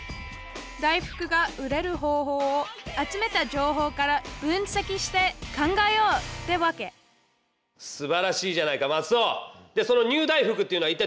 大福が売れる方法を集めた情報から分析して考えようってわけすばらしいじゃないかマツオ！でそのニュー大福っていうのはいったいどんな大福なんだ？